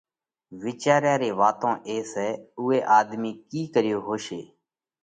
وِيچاريا ري واتون پسئہ اُوئہ آۮمِي ڪِي ڪريو هوشي